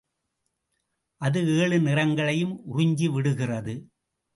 அது ஏழு நிறங்களையும் உறிஞ்சிவிடுகிறது.